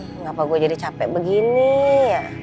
mengapa gue jadi capek begini ya